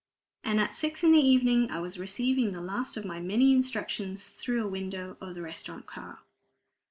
And at six in the evening I was receiving the last of my many instructions through a window of the restaurant car.